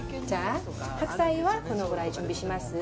白菜はこのぐらい準備します